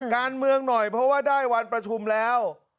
การเมืองหน่อยเพราะว่าได้วันประชุมแล้ว